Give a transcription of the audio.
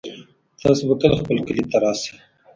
تاسو به کله خپل کلي ته راشئ